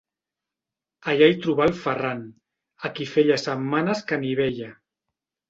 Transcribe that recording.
Allà hi trobà el Ferran, a qui feia setmanes que ni veia.